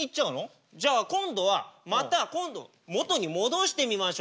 じゃあ今度はまた今度元に戻してみましょう。